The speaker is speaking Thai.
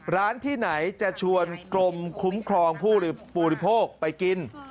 ร้านที่ไหนจะชวนกรมคุ้มครองผู้บริโภคไปกิน